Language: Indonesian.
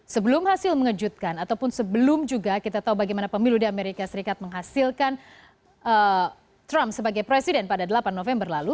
sebelum hasil mengejutkan ataupun sebelum juga kita tahu bagaimana pemilu di amerika serikat menghasilkan trump sebagai presiden pada delapan november lalu